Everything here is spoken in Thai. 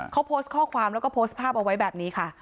เขาโพสต์ข้อความแล้วก็โพสต์ภาพเอาไว้แบบนี้ค่ะ